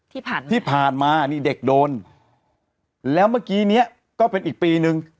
ที่ผ่านมาที่ผ่านมานี่เด็กโดนแล้วเมื่อกี้เนี้ยก็เป็นอีกปีนึง